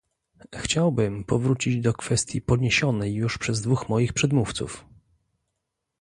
Chciałbym powrócić do kwestii podniesionej już przez dwóch moich przedmówców